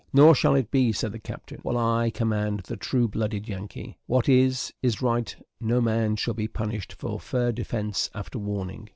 "Nor shall it be," said the captain, "while I command the True blooded Yankee; what is, is right; no man shall be punished for fair defence after warning.